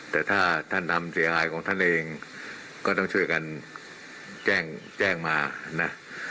แต่ถ้าท่านทำเสียหายของท่านเองก็ต้องช่วยกันแจ้งแจ้งมานะ